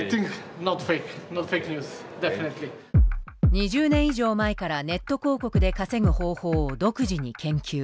２０年以上前からネット広告で稼ぐ方法を独自に研究。